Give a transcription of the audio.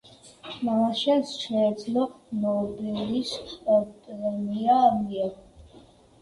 მამაშენს შეეძლო, ნობელის პრემია მიეღო.